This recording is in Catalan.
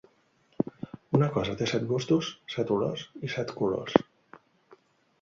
Una cosa té set gustos, set olors i set colors.